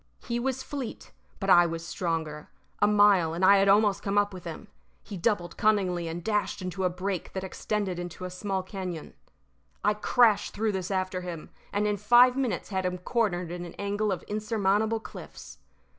He was fleet, but I was stronger. A mile, and I had almost come up with him. He doubled cunningly and dashed into a brake that extended into a small cañon. I crashed through this after him, and in five minutes had him cornered in an angle of insurmountable cliffs.